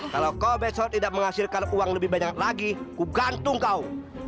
kalau kau besok tidak menghasilkan uang lebih banyak lagi ku gantung kau